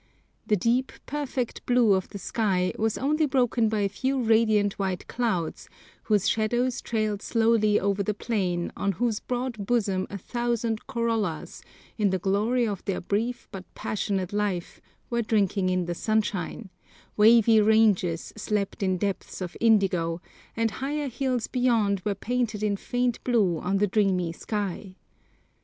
The deep, perfect blue of the sky was only broken by a few radiant white clouds, whose shadows trailed slowly over the plain on whose broad bosom a thousand corollas, in the glory of their brief but passionate life, were drinking in the sunshine, wavy ranges slept in depths of indigo, and higher hills beyond were painted in faint blue on the dreamy sky.